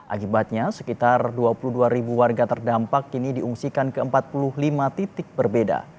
akibatnya sekitar dua puluh dua ribu warga terdampak kini diungsikan ke empat puluh lima titik berbeda